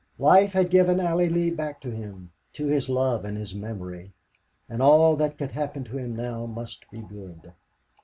Life had given Allie Lee back to him to his love and his memory; and all that could happen to him now must be good.